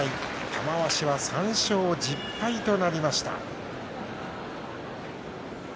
玉鷲は３勝１０敗となりました。